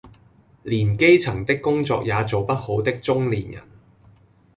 連基層的工作也做不好的中年人